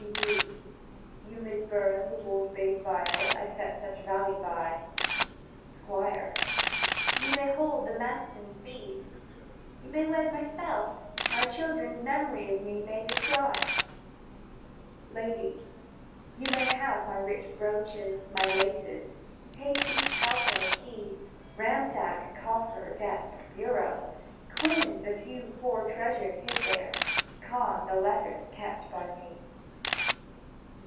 W. D.—"Ye mid burn the wold bass viol that I set such vallie by." Squire.—"You may hold the manse in fee, You may wed my spouse, my children's memory of me may decry." Lady.—"You may have my rich brocades, my laces; take each household key; Ransack coffer, desk, bureau; Quiz the few poor treasures hid there, con the letters kept by me."